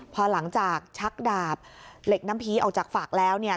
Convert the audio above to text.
พอหลังจากชักดาบเหล็กน้ำพีออกจากฝากแล้วเนี่ย